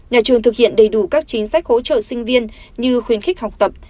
nhà trường thực hiện đầy đủ các chính sách hỗ trợ sinh viên như khuyến khích học tập